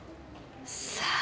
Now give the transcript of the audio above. さあ。